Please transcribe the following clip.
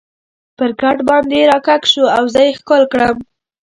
پر کټ باندې را کږ شو او زه یې ښکل کړم.